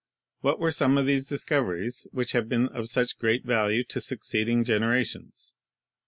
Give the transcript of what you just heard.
What were some of these discoveries which have been of such great value to succeeding generations?